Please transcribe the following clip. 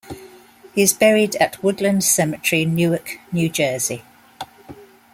He is buried at Woodland Cemetery, Newark, New Jersey.